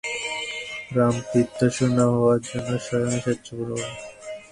রাম পিতৃসত্য রক্ষার জন্য স্বয়ং স্বেচ্ছাপূর্বক রাজ্যত্যাগ করিয়া বনগমনে প্রস্তুত হইলেন।